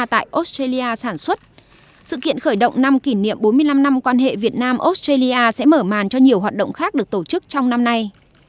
tại australia sản xuất sự kiện khởi động năm kỷ niệm bốn mươi năm năm quan hệ việt nam australia sẽ mở màn cho nhiều hoạt động khác được tổ chức trong năm nay